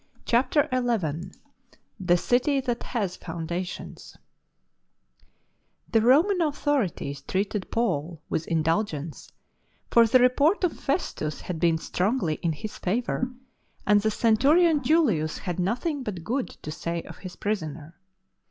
CHAPTER XI " THE CITY THAT HATH FOUNDATIONS " The Roman authorities treated Paul with indulgence, for the report of Festus had been strongly in his favour, and the centurion Julius had nothing but good to say of his prisoner.